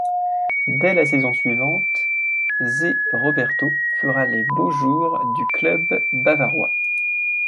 Dès la saison suivante, Zé Roberto fera les beaux jours du club bavarois.